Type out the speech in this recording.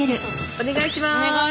お願いします。